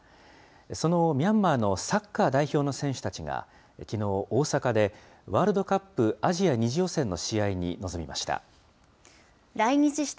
そのミャンマーのサッカー代表の選手たちが、きのう大阪でワールドカップアジア２次予選の試合に臨みました。